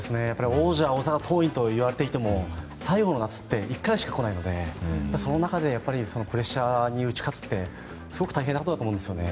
王者・大阪桐蔭といわれていても最後の夏って１回しか来ないのでその中でプレッシャーに打ち勝つのはすごく大変だと思うんですね。